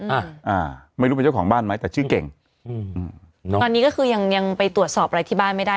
อ่าอ่าไม่รู้เป็นเจ้าของบ้านไหมแต่ชื่อเก่งอืมเนอะตอนนี้ก็คือยังยังไปตรวจสอบอะไรที่บ้านไม่ได้